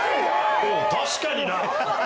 確かにな！